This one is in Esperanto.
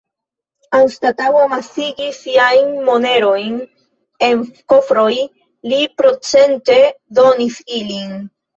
Anstataŭ amasigi siajn monerojn en kofrojn, li procente-donis ilin.